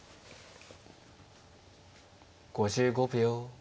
５５秒。